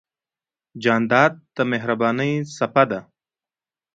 جانداد د مهربانۍ څپه ده.